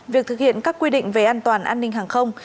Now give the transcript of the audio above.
việc thực hiện các quy định về an toàn an ninh hàng không